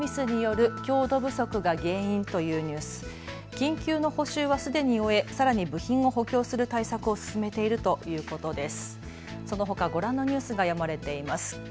緊急の補修はすでに終え、さらに備品を補強する対策を進めているということです。